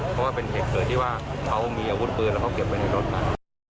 เพราะว่าเป็นเหตุเกิดที่ว่าเขามีอาวุธปืนแล้วเขาเก็บไว้ในรถมา